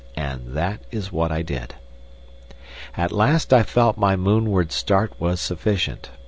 And that is what I did. At last I felt my moonward start was sufficient.